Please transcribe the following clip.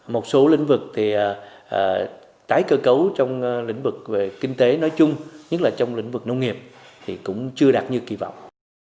một số lĩnh vực tái cơ cấu trong lĩnh vực kinh tế nói chung nhất là trong lĩnh vực nông nghiệp cũng chưa đạt như kỳ vọng